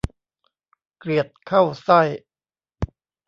เกลียดเข้าไส้